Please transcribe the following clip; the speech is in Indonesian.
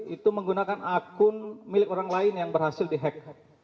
itu menggunakan akun milik orang lain yang berhasil di hack hack